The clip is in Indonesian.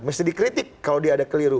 mesti dikritik kalau dia ada keliru